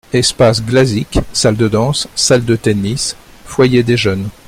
Espace Glazik : salle de danse, salle de tennis, foyer des jeunes.